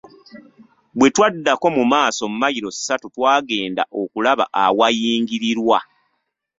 Bwe twagendako mu maaso mailo ssatu twagenda okulaba awayingirirwa.